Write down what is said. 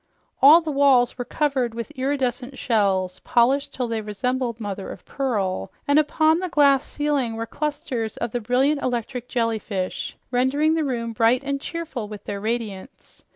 All the walls were covered with iridescent shells, polished till they resembled mother of pearl, and upon the glass ceiling were clusters of the brilliant electric jellyfish, rendering the room bright and cheerful with their radiance.